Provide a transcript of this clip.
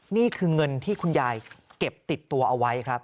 นี่คือเงินที่คุณยายเก็บติดตัวเอาไว้ครับ